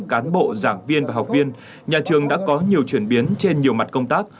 cán bộ giảng viên và học viên nhà trường đã có nhiều chuyển biến trên nhiều mặt công tác